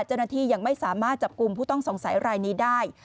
เจ้าหน้าที่ยังไม่สามารถจับกลุ่มผู้ต้องสงสัยรายนี้ได้